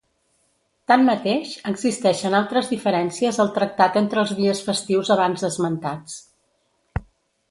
Tanmateix, existeixen altres diferències al tractat entre els dies festius abans esmentats.